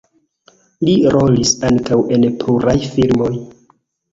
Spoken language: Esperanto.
Li rolis ankaŭ en pluraj filmoj.